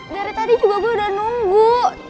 dari tadi juga gue udah nunggu